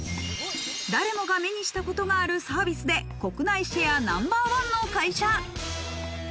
誰もが目にしたことがあるサービスで、国内シェアナンバーワンの会社。